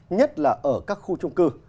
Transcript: nhất là ở các khu trung cư